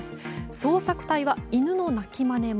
捜索隊は犬の鳴きまねも。